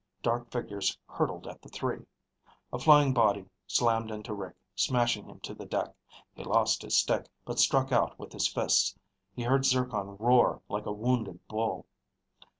Dark figures hurtled at the three. A flying body slammed into Rick, smashing him to the deck. He lost his stick, but struck out with his fists. He heard Zircon roar like a wounded bull.